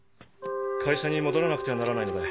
会社に戻らなくてはならないので。